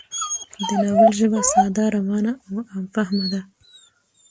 د ناول ژبه ساده، روانه او عام فهمه ده